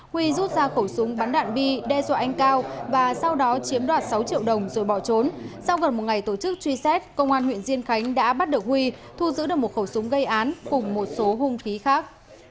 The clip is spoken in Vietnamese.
huy rút ra khẩu súng bắn đạn bi đe dọa anh cao và sau đó chiếm đoạt sáu triệu đồng rồi bỏ trốn sau gần một ngày tổ chức truy xét công an huyện diên khánh đã bắt được huy thu giữ được một khẩu súng gây án cùng một số hung khí khác